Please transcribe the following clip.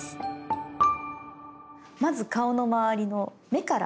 まず顔のまわりの目から。